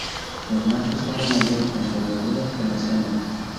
Los machos son de mayor envergadura que las hembra.